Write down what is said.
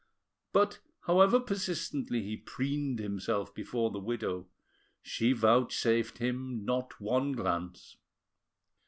But however persistently he preened him self before the widow, she vouchsafed him not one glance.